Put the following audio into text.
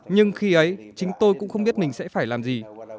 nhưng khi ấy chính tôi cũng không biết mình sẽ phải làm gì